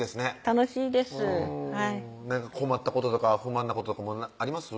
楽しいです何か困ったこととか不満なこととかあります？